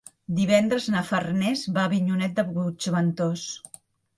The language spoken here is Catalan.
Divendres na Farners va a Avinyonet de Puigventós.